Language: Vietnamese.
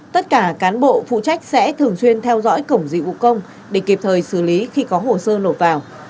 tất cả cán bộ phụ trách sẽ thường xuyên theo dõi cổng dịch vụ công để kịp thời xử lý khi có hồ sơ nộp vào